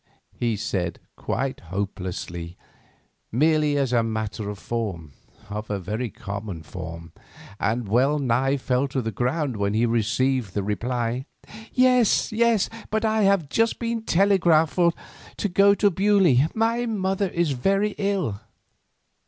he said, quite hopelessly, merely as a matter of form—of very common form—and well nigh fell to the ground when he received the reply: "Yes, yes, but I have just been telegraphed for to go to Beaulieu; my mother is very ill."